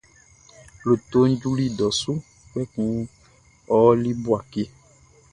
Lotoʼn juli dɔ su, kpɛkun ɔ ɔli Bouaké.